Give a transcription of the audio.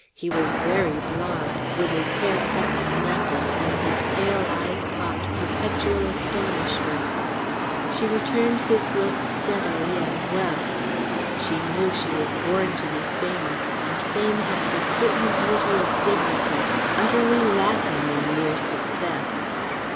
He was very blond, with his hair cut snapper, and his pale eyes popped perpetual astonishment. She returned his look steadily and well. She knew she was born to be famous, and fame has a certain beauty of dignity utterly lacking in mere success.